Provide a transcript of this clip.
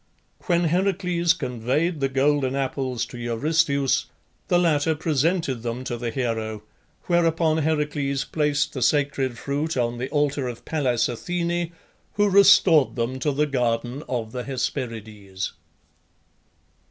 When Heracles conveyed the golden apples to Eurystheus the latter presented them to the hero, whereupon Heracles placed the sacred fruit on the altar of Pallas Athene, who restored them to the garden of the Hesperides.